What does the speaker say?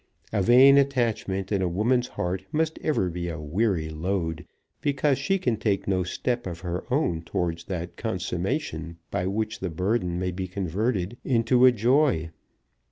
A vain attachment in a woman's heart must ever be a weary load, because she can take no step of her own towards that consummation by which the burden may be converted into a joy.